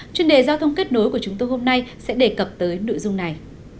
chuyên đề giao thông kết nối của chúng tôi hôm nay sẽ đề cập tới nội dung này